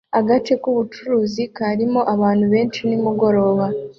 Agace k'ubucuruzi karimo abantu benshi nimugoroba